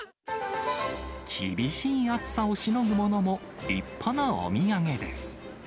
厳しい暑さをしのぐものも、立派なお土産です。